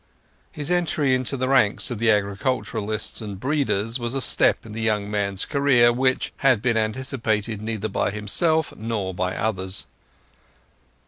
His entry into the ranks of the agriculturists and breeders was a step in the young man's career which had been anticipated neither by himself nor by others.